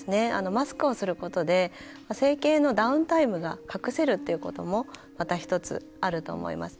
マスクをすることで整形のダウンタイムが隠せるっていうこともまた１つあると思います。